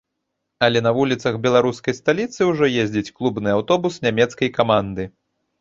Але на вуліцах беларускай сталіцы ўжо ездзіць клубны аўтобус нямецкай каманды.